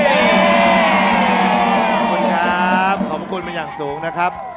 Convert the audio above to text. ขอบคุณครับขอบคุณมาอย่างสูงนะครับ